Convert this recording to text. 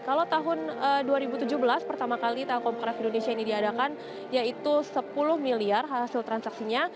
kalau tahun dua ribu tujuh belas pertama kali telkom craft indonesia ini diadakan yaitu sepuluh miliar hasil transaksinya